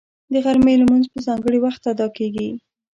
د غرمې لمونځ په ځانګړي وخت ادا کېږي